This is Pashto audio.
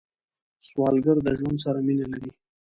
سوالګر د ژوند سره مینه لري